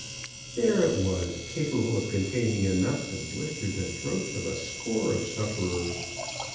There it was, capable of con taining enough to blister the throats of a score of sufferers.